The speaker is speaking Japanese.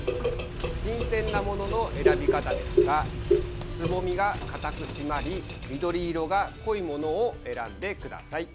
新鮮なものの選び方ですがつぼみがかたく締まり緑色が濃いものを選んでください。